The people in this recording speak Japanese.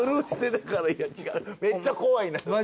めっちゃ怖い。